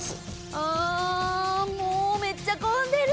あもうめっちゃ混んでる。